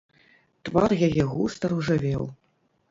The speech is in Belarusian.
Твар яе густа ружавеў.